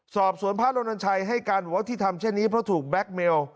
สอบสวนพระรณชัยให้การบอกว่าที่ทำเช่นนี้เพราะถูกแบ็คเมล